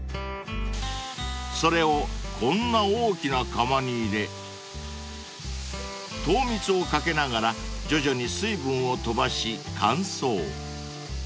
［それをこんな大きな釜に入れ糖蜜を掛けながら徐々に水分を飛ばし乾燥］